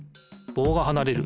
ぼうがはなれる。